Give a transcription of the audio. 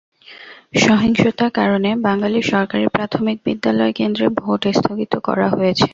সহিংসতার কারণে বাঙালি সরকারি প্রাথমিক বিদ্যালয় কেন্দ্রে ভোট স্থগিত করা হয়েছে।